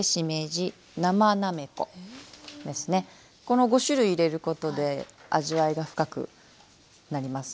この５種類入れることで味わいが深くなります。